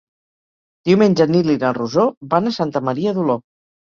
Diumenge en Nil i na Rosó van a Santa Maria d'Oló.